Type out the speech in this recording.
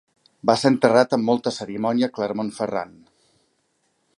Va ser enterrat amb molta cerimònia a Clermont-Ferrand.